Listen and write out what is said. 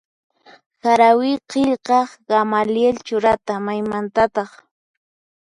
Harawi qillqaq Gamaliel Churata maymantataq?